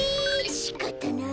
しかたない。